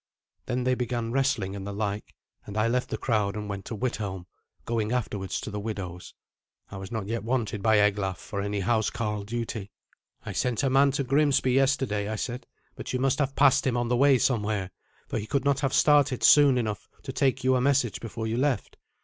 Then they began wrestling and the like, and I left the crowd and went to Withelm, going afterwards to the widow's. I was not yet wanted by Eglaf for any housecarl duty. "I sent a man to Grimsby yesterday," I said; "but you must have passed him on the way somewhere, for he could not have started soon enough to take you a message before you left."